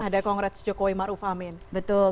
ada kongres jokowi maruf amin betul